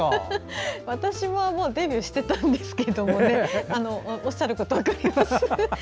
私はもうデビューしていたんですけどおっしゃることは分かります。